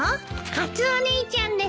カツオお兄ちゃんです。